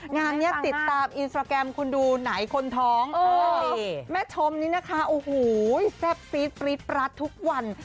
งานนี้ติดตามอินสตราแกรมคุณดูไหนคนท้องแม่ชมนี่นะคะโอ้โหแซ่บซีดปรี๊ดปรัดทุกวัน